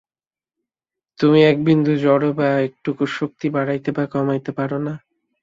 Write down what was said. তুমি একবিন্দু জড় বা একটুকু শক্তি বাড়াইতে বা কমাইতে পার না।